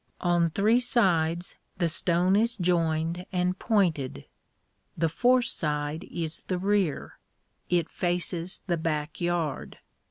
On three sides the stone is joined and pointed. The fourth side is the rear. It faces the back yard.